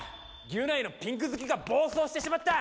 ギュナイのピンク好きが暴走してしまった！